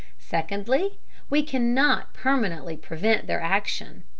Secondly, we cannot permanently prevent their action.